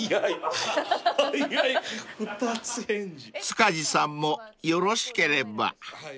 ［塚地さんもよろしければ］